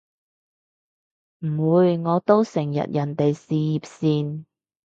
唔會，我都成日人哋事業線